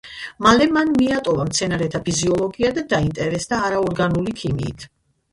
მალე მან მიატოვა მცენარეთა ფიზიოლოგია და დაინტერესდა არაორგანული ქიმიით.